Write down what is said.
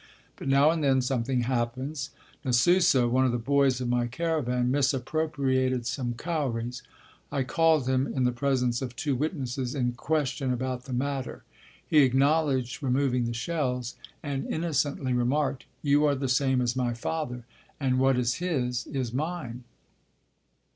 But now and then something happens. N'susa, one of the boys of my caravan, misappropriated some cowries. I called him (in the presence of two witnesses) in question about the matter. He acknowledged removing the shells and innocently remarked, "You are the same as my father, and what is his is mine."